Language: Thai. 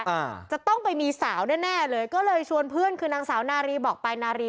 อ่าจะต้องไปมีสาวแน่แน่เลยก็เลยชวนเพื่อนคือนางสาวนารีบอกไปนารี